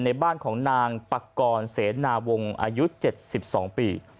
ในบ้านของนางปากรเสนาวงศ์อายุ๗๒ปี